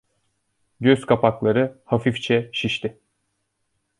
Gözkapakları hafifçe şişti.